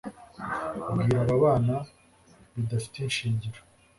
Bwira aba bana bidafite ishingiro